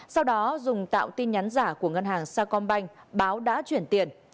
sau đó dùng tạo tin nhắn giả của ngân hàng sa công banh báo đã chuyển tiền